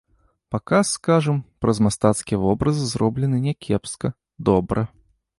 Паказ, скажам, праз мастацкія вобразы зроблены не кепска, добра.